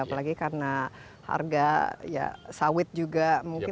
apalagi karena harga ya sawit juga mungkin